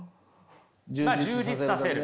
充実させる。